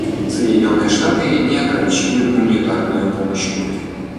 Соединенные Штаты не ограничивают гуманитарную помощь Кубе.